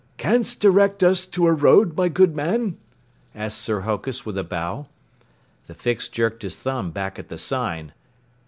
"Can'st direct us to a road, my good man?" asked Sir Hokus with a bow. The Fix jerked his thumb back at the sign.